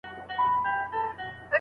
موضوع د لارښود په خوښه نه ټاکل کېږي.